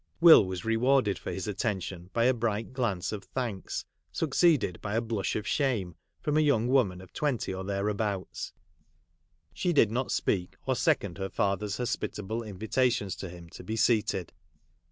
Will was rewarded for his attention by a bright glance of thanks, succeeded by a blush of shame, from a young woman of twenty or thereabouts. She did not speak, or second her father's hospitable invitations to him to be seated.